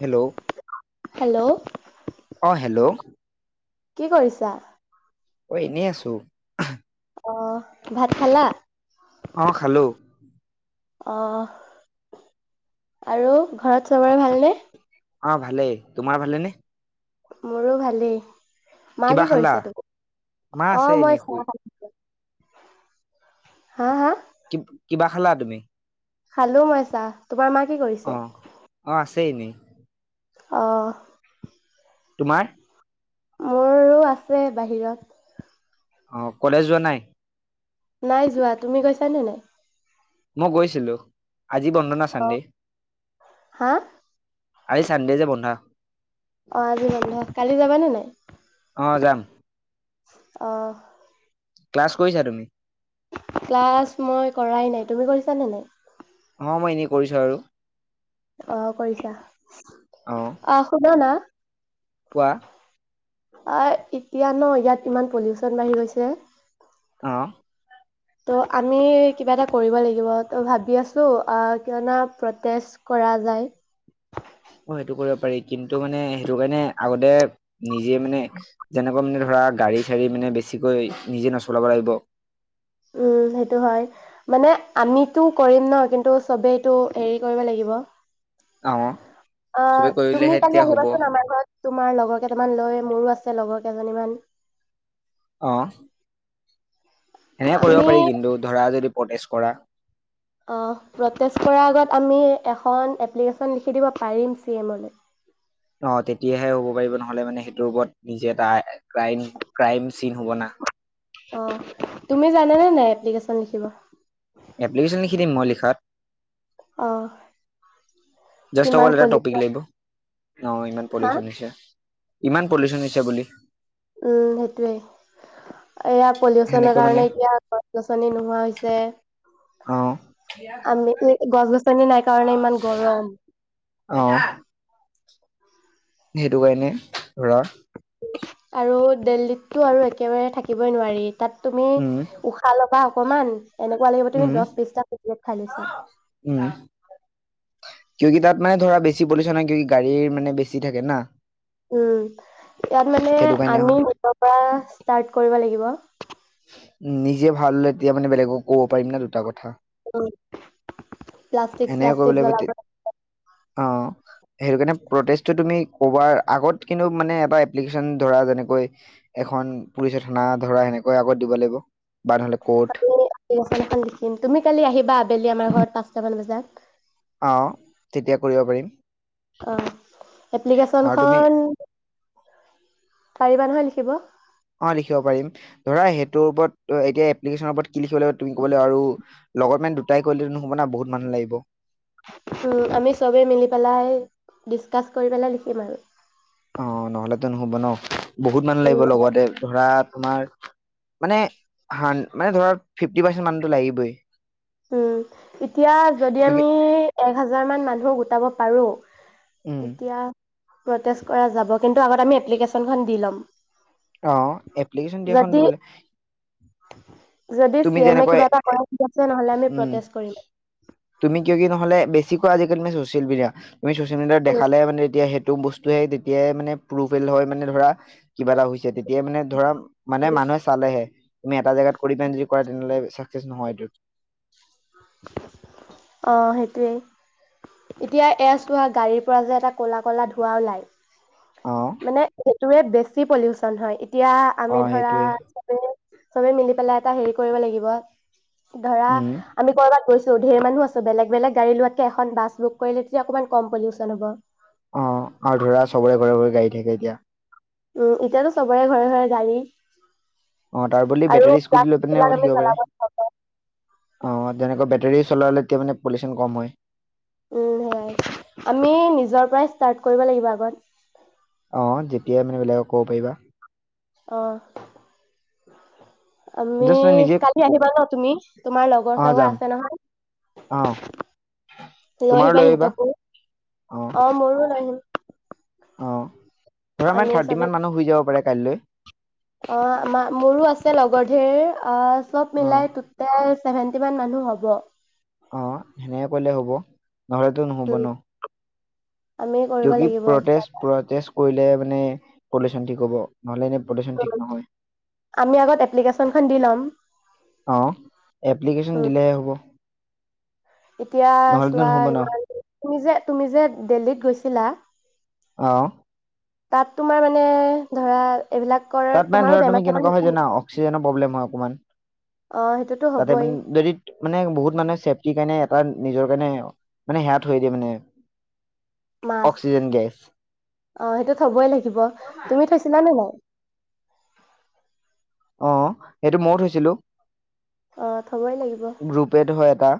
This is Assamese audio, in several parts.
হেল্ল'? হেল্ল' অ', হেল্ল'? কি কৰিছা? অ', এনেই আছো। অ', ভাত খালা? অঁ, খালো। অ', আৰু, ঘৰত চবৰে ভালনে? অঁ ভালে। তোমাৰ ভালে নে? মোৰো ভালেই। মা কিবা কি খালা কৰিছে টোকু মা অ আছে এনেই মই শুই চাহ ভাবো হা, হা? কিবা খেলা তুমি? খালো মই চাহ তোমাৰ মা কি কৰিছে? সেই নি অহ তোমাৰ মোৰো আছে বাহিৰত অহ কলেজ যোৱা নাই? নাই যোৱা তুমি গৈছানে নাই? মই গৈছিলো। আজি বন্ধ না অ' চানডে। হা? আজি চানদে যে বন্ধ অহ আজি বন্ধ, কালি যাবানে নাই? অ যাম অহ ক্লাছ কৰিছা তুমি? ক্লাছ মই কৰাই নাই তুমি কৰিছানে নাই? অহ মই এনেই কৰিছো আৰু অহ কৰিছা। অ অহ শুনা না, কোৱা অহ এতিয়া নহ ইয়াত ইমান পজিচন বাঢ়ি গৈছে অহ তহ আমি কিবা এটা কৰিব লাগিব তহ ভাবি আছো কিয়নো প্ৰটেষ্ট কৰা যায় অহ সেইটো কৰিব পাৰি কিন্তু মানে সেইটো কাৰণে আগতে নিজে মানে যেনেকুৱা মানে ধৰা গাড়ী চা়ৰি মানে বেছিকৈ নিজে নচলাব লাগিব। উম সেইটো হয় মানে আমিতো কৰিম ন কিন্তু চবেইটো হেৰি কৰিব লাগিব অ অহ চবে কৰিলেহে তুমি কালি তেতিয়া হ'ব আহিবাচোন আমাৰ ঘৰত তোমাৰ লগৰ কেইটামান লৈ মোৰো আছে লগৰ কেইজনীমান অহ সেনেকে কৰিব আমি পাৰি কিন্তু ধৰা যদি প্ৰটেষ্ট কৰা অহ প্ৰটেষ্ট কৰাৰ আগত আমি এখন এপ্লিকেশ্যন লিখি দিব পাৰিম চি এমলৈ অহ তেতিয়াহে হ'ব পাৰিব নহ'লে মানে সেইটোৰ ওপৰত নিজে এটা কিৰাইম কিৰাইম চিন হ'ব না অহ তুমি জানেনে নাই এপ্লিকেশ্বন লিখিব। এপ্লিকেশ্যন লিখি দিম মই লিখাত অহ জাষ্ট অকল এটা টপিক লাগিব, অহ ইমান হা পলিউচন হৈছে ইমান পলিউচন হৈছে বুলি উম সেইটোৱে এয়া পলিউচনৰ সেনেকৈ মানে কাৰণে এতিয়া গছ -গছনি নোহোৱা হৈছে। অহ আমি গছ -গছনি নাই কাৰণে ইমান গৰম অহ সেইটো কাৰণে ধৰা আৰু দিল্লীতটো আৰু একেবাৰে থাকিবই নোৱাৰি। তাত তুমি উম উশাহ লব তাৰপৰা অকমান এনেকুৱা লাগিব তুমি উম দছ বিছটা কুকুৰক উম কিয় কি তাত মানে ধৰা বেছি পলিউচ্যন হয় কিয় গাড়ীৰ মানে বেছি থাকে না উম ইয়াত মানে সেইটো কাৰণে আমি হয় নিজৰ পৰা ষ্টাৰ্ট কৰিব লাগিব উ নিজে ভাল হলে তেতিয়া মানে বেলেগক ক'ব পাৰিম না দুটা কথা উ প্লাষ্টিক এনেকে কৰিব প্লাষ্টিক লাগিব জলাব নালাগে অ সেইটো কাৰণে প্ৰটেচটো তুমি কবাৰ আগত কিন্তু মানে এটা এপ্লিকেচন ধৰা যেনেকৈ এখন পুলিচৰ থানা ধৰা এনে গৈ আগত দিব লাগিব বা নহ'লে ক'ৰ্ট এখন এখন বিকিম কালি আহিবা আবেলি আমাৰ ঘৰত পাঁচটা মান বজাত যাক অ তেতিয়া কৰিব পাৰিম অ এপ্লিকেচন আৰু তুমি খন পাৰিবা নহয় লিখিবলে দিব অ লিখিব পাৰিম ধৰা সেইটোৰ ওপৰত এতিয়া এপ্লিকেচনৰ ওপৰত কি লি়খিব লাগিব তুমি কব লাগিব আৰু লগত মানে দুটাই কলে নহব বহুত মানুহ লাগিব উম আমি চবে মিলি পেলাই ডিছকাজ কৰি পেলাই লিখিম আৰু অ নহলেতো নহ'ব ন বহুত মানুহ লাগিব উম, লগতে ধৰা তোমাৰ মানে মানে ধৰা ফিফটি পাৰ্চেন্ট মানুহতো লাগিবই উম এতিয়া যদি কি আমি এক হাজাৰ মান মানুহক গোটাব পাৰো উম তেতিয়া প্ৰটেজ কৰা যাব কিন্তু আগতে আমি এপ্লিকেচন খন দি ল'ম অ এপ্লিকেচন দিয়াখন যদি দিবলৈ যদি তুমি চি এম এ যেনেকৈ কিবা এটা কৰে আমি উম প্ৰটেষ্ট কৰিম। তুমি কিয় কি নহ'লে বেছি এনেকুৱা আজিকালি মানে চছিয়েল মিডিয়া তুমি ছ'চিয়েল মিডিয়াত উম, দেখালে মানে এতিয়া সেতি হেটো বস্তুৱে তেতিয়াই মানে প্ৰুফেল হয় মানে ধৰা কিবা এটা হৈছে তেতিয়াই মানে ধৰা মানে মানুহে চালেহে তুমি এটা জেগাত কৰি পেনে যদি কৰা তেনেহলে চাকচেছ নহয় এইটো অহ সেইটোৱেই এতিয়া এহ চোৱা গাড়ীৰ পৰা যে এটা কলা ক'লা ধোৱা ওলাই অ কি পলিউচন হয় এতিয়া অ আমি ধৰা সেইটোৱে চবে চবে মিলি পেলাই এটা হেৰি কৰিব লাগিব ধৰা উম আমি কৰ'বাত গৈছো ঢেৰ মানুহ আছে বেলেগ বেলেগ গাড়ী লোৱাতকে এখন বাছ বুক কৰিলে তেতিয়া অকণমান কম পলিউচন হ'ব। অহ আৰু ধৰা চবৰে ঘৰে ঘৰে গাড়ী থাকে এতিয়া উম এতিয়াতো চবৰে ঘৰে ঘৰে গাড়ী অহ তাৰ বদলি আৰু বেটৰী স্কুটি লৈ পিনে প্লাষ্টিকবিলাক আমি থাকিব পাৰে, জ্বলাব নালাগে অহ যেনেকুৱা বেটৰী চলালে এতিয়া মানে পলিউশন কম হয়। উম সেয়াই আমি নিজৰ পৰাই ষ্টাৰ্ট কৰিব লাগিব আগত অহ যেতিয়াই মানে বেলেগক ক'ব পাৰিবা। অহ আমি জাষ্ট নিজে কালি আহিবা ন তুমি তোমাৰ লগৰ অ চাগৰ যাম আছে নহয় অ লৈ তোমাৰো আহিবা‌ আহিবা সিহঁতকো। অহ মোৰো লৈ আহিম। অহ ধৰা আমি মান থাৰ্টি মান মানুহ হৈ যাব পাৰে। কাইলৈ অহ আমাৰ মোৰো আছে লগৰ ধেৰ আহ চব অ মিলাই টোটেল চেভেণ্টি মান মানুহ হ'ব অহ সেনেকে কৰিলে হব নহলেতো নহ'ব উম নহ আমি কৰিব কিউকি লাগিব কিবা প্ৰটেষ্ট প্ৰটেষ্ট কৰিলেহে মানে পলিউচন ঠিক হ'ব। নহলে এনে পলিউচন ঠিক নহয়, আমি আগত এপ্লিকেশ্যনখন দি ল'ম। অহ এপ্লিকেশ্বন উম, দিলেহে হ'ব। এতিয়া নহ'লেতো চোৱা নহ'ব ই ন তুমি যে তুমি যে দিল্লীত গৈছিলা। অহ তাত তোমাৰ মানে ধৰা এইবিলাকৰ তাত মানে তোমাৰো ধৰা বেমাৰ তুমি চেমাৰ কেনেকুৱা হৈছে হয় নেকি? জান অক্সিজেনৰ প্ৰব্লেম হয় অকণমান অ' সেইটোতো তাতে হ'বই মানে যদি মানে বহুত মানে চে কি কাৰণে এটা নিজৰ কাৰণে মানে সেয়া থৈ দিয়ে মানে মাক্স অক্সিজেন গেছ অহ সেইটো থবই লাগিব তুমি থৈছিলা নে নাই অহ সেইটো ময়ো থৈছিলো। অ' থ'বই লাগিব। গ্ৰুপে ধৰা এটা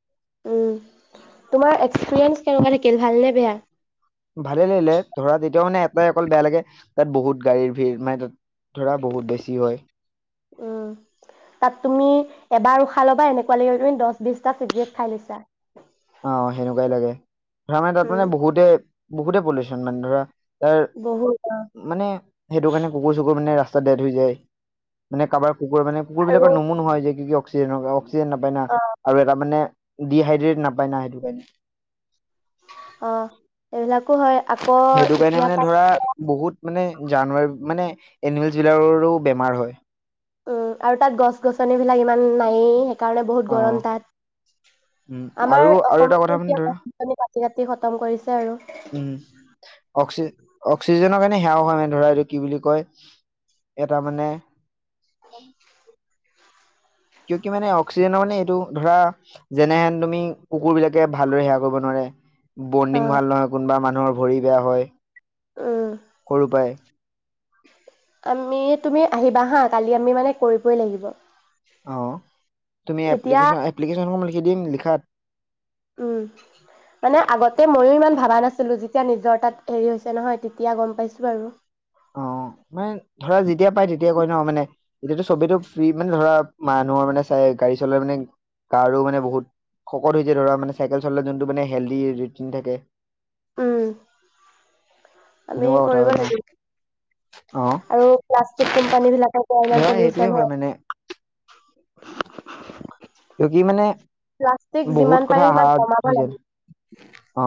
উম তোমাৰ এক্স পিৰিয়েঞ্চ কেনেকুৱা থাকিল ভাল নে বেয়া? ভালে লাগিলে ধৰা তেতিয়াও মানে এটাই অকল বেয়া লাগে তাত বহুত গাড়ীৰ ভিৰ মানে তাত ধৰা বহুত বেছি হয়। উম তাত তুমি এবাৰ উশাহ খালবা এনেকুৱা লাগিব তুমি দচ বিছটা ফিভৰেট খাই লৈছা। হয় [inaudible] অ সেনেকুৱাই লাগে। ধৰা মা তাত উম, মানে বহুতে বহুতে পলিউচন মানে ধৰা তাৰ বহুত মানে সেইটো কাৰণে কুকুৰ চুকুৰ মানে ৰাস্তাত ডেত হৈ যায় মানে কাৰোবাৰ কুকুৰ মানে কুুৰবিলাক আৰু নোমু নোহোৱা হৈ যায় কি কি অ [unintelligible] অক্সিজেন নপাই না আৰু এটা মানে ডিহাইড্ৰেট নাপ উপাই না সেইটো [unintelligible] অ এইবিলাক হয় আকৌ সেইটো কাৰণে এতিয়া মানে তাত ধৰা বহুত মানে জানুৱাৰী মানে এনিমেল জিলাৰৰো বেমাৰ হয় উম আৰু তাত গছ গছনি বিলাক ইমান নায়েই কাৰণে বহুত অ গৰম তাত উম আৰু আমাৰ আৰু এটা কথা অসমতো মানে ধৰা এতিয়া [unintelligible] কাতি খতম কৰিছে আৰু উম অক্সিজে অক্সিজেনৰ [unintelligible] মানে সেৱাও হয় মানে ধৰা এইটো কি বুলি কয় এটা মানে কিয় কি মানে অক্সিজেনৰ মানে এইটো ধৰা যেনেহেন তুমি কুকুৰ বিলাকে ভালদৰে সেৱা কৰিব নোৱাৰে বণ্ডিং অ', ভাল নহয় কোনবা মান নৰ ভৰি বেয়া হয় উম। কৰো পাই আমি তুমি আহিবা হা কালি আমি মানে কৰিবই লাগিব অ তুমি এতিয়া এপ্লিকেশ্যন এপ্লিকেশ্যনখন লিখ সিদিন লিখাত উম মানে আগতে মইয়ো ইমান ভাবা নাছিলো যেতিয়া নিজৰ তাত হেৰি হৈছে নহয় তেতিয়া গম পাইছো আৰু। অ মানে ধৰা যেতিয়া পাই তেতিয়া কয় ন মানে এতিয়াতো চবটো ফ্ৰী মানে ধৰা মানুহৰ মানে চাই গাড়ী চলাই মানে গাৰো মানে বহুত শকত হৈ যায় ধৰা মানে চাইকেল চলে যোনটো মানে হেল্ডি ট থাকে উম আমি সেনেকুৱা কথা কৰিব হয় ন লাগিব অ আৰু প্লাষ্টিক কোম্পানী বিলাকৰ ক ইমান ধৰা সেইটোৱে পলিউচন হয় মানে কি মানে প্লাষ্টিক বহুত যিমান কথা পাৰে অহা সিমান কমাব হৈছে লাগে। অ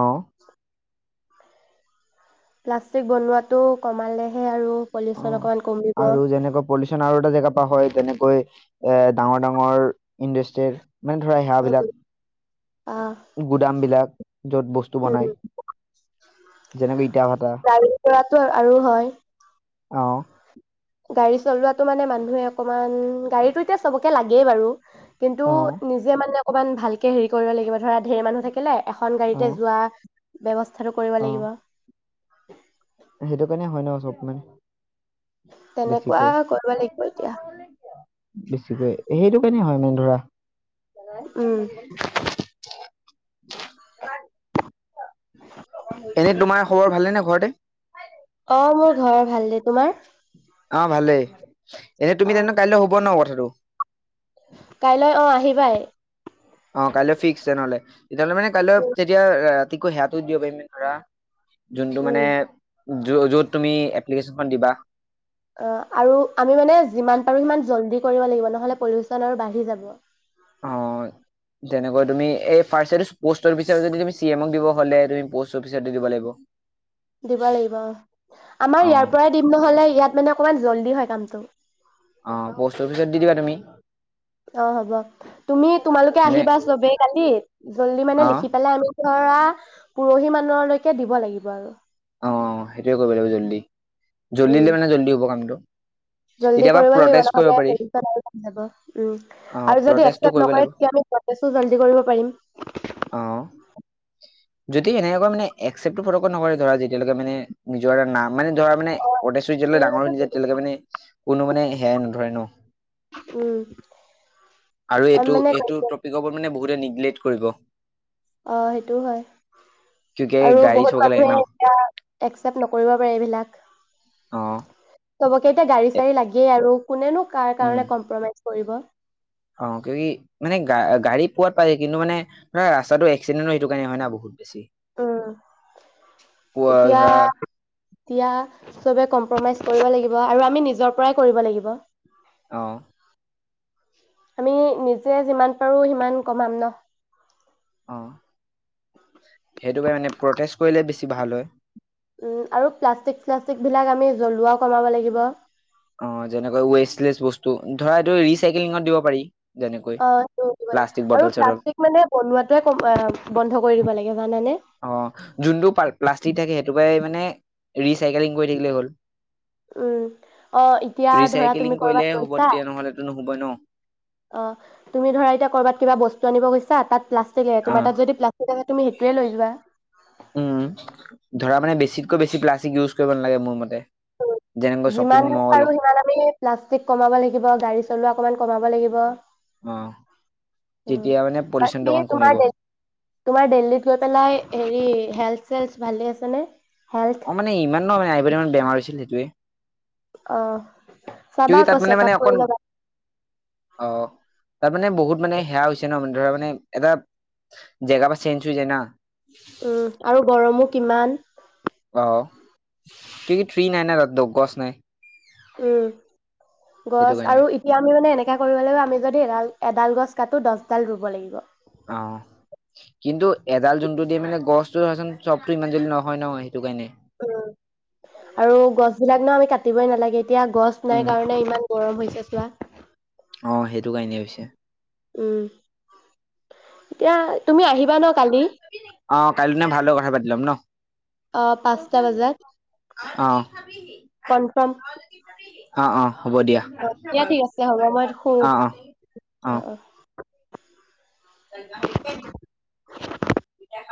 প্লাষ্টিক বনোৱাটো কমালেহে আৰু অ পলিউচন অকমান কমিব আৰু যেনেকৈ পলিউচন আৰু এটা জেগাৰ পৰা হয় তেনেকৈ এ ডাঙৰ ডাঙৰ ইণ্ডাষ্ট্ৰিৰ মানে ধৰা উম, সেৱাবিলাক আহ, গুদামবিলাক য'ত বস্তু উম। বনাই যেনেকা ইটা ভেটা গাড়ী চলাটো আৰু হয়। অহ- গাড়ী চলোৱাতটো মানে মানুহে অকমান, গাড়ীতটো এতিয়া চবকে লাগেই বাৰু। কিন্তু অ নিজে মানে অকণমান ভালকে হেৰি কৰিব লাগিব, ধৰা ধেৰ মানুহ থাকেনাই এখন অ গাড়ীতে যোৱা ব্যৱস্থা- কথাটো কৰিব অ লাগিব। [unintelligible] সেইটো কাৰণে হয় ন চব মানে। তেনেকোৱা বেছিকৈ কৰিব লাগিব এতিয়া। বেছিকৈ সেইটো কেনে হয় মেন ধৰা উম [unintelligible] [unintelligible] এনেই তোমাৰ খবৰ ভালেনে ঘৰত। [unintelligible] অ মোৰ ঘৰত ভাল দেই, তোমাৰ? অ ভালেই। এনেই তুমি অ তেন্তে কাইলৈ হব ন কথাটো। বো [unintelligible] কাইলৈ অ আহিবায়েই। অ, কাইলৈ ফিক্স তেনেহ'লে। তেতিয়াহ'লে মানে কাইলৈ তেতিয়া [unintelligible] তিকো হেতিকো দিব পাৰিম ধৰা [unintelligible] যোনটো উম মানে-। য'ত তুমি এপ্লিকেশ্যনখন দিবা। অ, আৰু আমি মানে যিমান পাৰো সিমান জল্দি- কৰিব লাগিব নহলে পলোচন আৰু বাঢ়ি যাব। অ তেনেক তুমি ফাৰ্ষ্ট ইয়াৰটো পৌষ্ট দিব তুমি চি এম দিব হ'লে পৌষ্ট অফিচ দিব লাগিব। দিব লাগিব, আমাৰ অ ইয়াৰ পৰাই দিম নহলে, ইয়াত-। মানে অকমান জল্দি হয় কামটো। অহ, পোষ্ট অফিচত দি দিবা তুমি। অ হ'ব, তোমালোকে সেনে আহিবা চবে কালি। জল্দি মানে অ লিখি পেলে আমি। ধৰা পৰহি মানহলৈকে দিব লাগিব আৰু। অ সেইটোৱে কৰিব লাগিব জল্দি। জল্দি দিলে উম মানে জল্দি হ'ব কামটো জলদি তেতিয়াবা কৰিব লাগিব প্ৰটেষ্ট কৰিব নহলে, পাৰি যদি অ প্ৰটেষ্টটো একচেপ কৰিব লাগিব নকৰে প্ৰচেছ ও জলি কৰিব পাৰিম। অ যদি এনেকুৱা মানে একেপ্টটো ফৰক নকৰে ধৰা যেতিয়ালৈকে মানে নিজৰ এটা নাম। মানে ধৰা মানে অদী যেতিয়ালৈ ডাঙৰ হৈনে যায় তেতিয়ালৈকে মানে কোনো মানে সেয়াই নধৰে ন। উম আৰু আমি এইটো মানে এইটো অ টপিকৰ মানে। বহুতে নিগলেট কৰিব। অ সেইটোও হয় কিউকি আৰু গাড়ী বহুত চবকে লাগে ন মানুহে এয়া একচেপ্ট নকৰিব পাৰে এইবিলাক। অহ। তব। কেইতিয়া গাড়ী চাাৰী লাগেই আৰু। কোনেনো কাৰ উম কাৰণে কম্প্ৰমাইজ কৰিব। অ ক কি মানে গা গাড়ী পোৱাত পাই কিন্তু মানে ধৰা ৰাস্তাটো এক্সিডেণ্টটো সেইটো কাৰণে হয় না বহুত। বেছি উম পোৱা এতিয়া ধৰা এতিয়া চবে কমফমাইচ। কমম্ফাইচ কৰিব লাগিব আৰু আমি নিজৰ পৰা কৰি লাগিব। অহ। আমি নিজে যিমান পাৰো সিমান কমাম ন। অ সেইটো কাৰ মানে প্ৰটেষ্ট কৰিলে বেছি ভাল হয়। উম আৰু প্লাষ্টিক চ্লাষ্টিক বিলাক আমি জ্বলোৱাও কমাব লাগিব। অ যেনেকৈ ৱেচলেচ বস্তু ধৰা এইটো ৰিচাইকিঙত দিব পাৰি। যেনেকৈ অ সেই দিব লাগে প্লাষ্টিক আৰু বটল চটল প্লাষ্টিক মানে বনোৱাোৱে ক অ বন্ধ কৰি দিব লাগে। জানানে? অ যোনটো প্লাষ্টিক থাকে সেইটোৰ পৰাই মানে। ৰিচাইকেলিং কৰি থাকিলেই হ'ল। উম অ এতিয়া ধৰা ৰিচাইকেলিং তুমি কৰিলে কৰবাত হ'ব গৈছা। তেতিয়া নহলেতো নহ'বই ন অ তুমি ধৰা এতিয়া কৰ'বাত কিবা বস্তু আনিব গৈছা তাত। প্লাষ্টিক অ তোমাৰ তাত যদি প্লাষ্টিক তুমি সেইটোয়ে লৈ যোৱা। উম ধৰা মানে বেছিতকৈ বেছি প্লাষ্টিক উজ কৰিব নালাগে মোৰ মতে যেনেকৈ শ্বপিং যিমান মল পাৰো সিমান আমি প্লাষ্টিক কমাব লাগিব গাড়ী চলোৱা অকমান কমাব লাগিব। অ উম তেতিয়া মানে পলিউচনটো বাকি অকণ কমিব তোমাৰ অ তোমাৰ দিল্লীত গৈ পেলাই হেৰি হেল চেলছ ভালে আছেনে? হেল্থ অ মানে ইমানও ভাল নাই এইকেইদিন মোৰ বেমাৰ হৈছে। একচুৱেলী এইটোৱে অহ চাবা কি আকৌ তাত মানে চেক মানে আপ অকণ কৰি লবা অ তাৰ মানে বহুত মানে সেয়া হৈছে ন ধৰা মানে এটা জেগা পৰা চেঞ্জ হৈ যায় না উম আৰু গৰমো কিমান অহ কিয়কি তৃ নাই ন তাত তো গছ নাই। উম সেইটো গছ কাৰণে আৰু এতিয়া আমি মানে এনেকা কৰিব লাগিব আমি যদি এডাল এডাল গছ কাটো দশডাল ৰুব লাগিব। অ! কিন্তু এডাল যোনটোযে মানে গছটো ধৰাছোঁন চবতো ইমান জল্দি নহয় ন সেইটো কাৰণে উম আৰু গছ বিলাক ন আমি কাটি দিবই নালাগে এতিয়া গছ উম নাই কাৰণে ইমান গৰম হৈছে চোৱা অ সেইটো কাৰণেই হৈছে উম এতিয়া তুমি আহিবা ন কালি? অ কাইলৈনা ভালে দৰে কথা পাতি ল'ম ন? অ পাঁচটা বজাত অঁ কনফাৰ্ম অ অ হ'ব দিয়া অ দিয়া ঠিক আছে হ'ব মই শু অ', অ', অ অ ত গাহৰিকে দিম